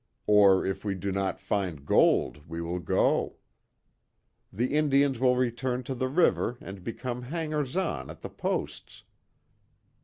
Or, if we do not find gold, we will go. The Indians will return to the river and become hangers on at the posts.